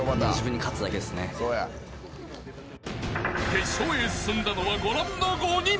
［決勝へ進んだのはご覧の５人］